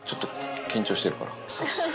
そうですね。